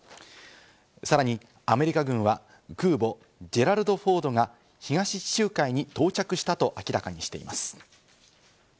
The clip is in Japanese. さらにアメリカ軍は空母「ジェラルド・フォード」が東地中海に到着したと明らかにしています。